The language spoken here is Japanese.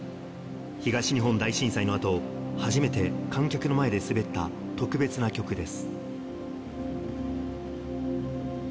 東日本大震災のあと、初めて観客の前で滑った特別な曲です。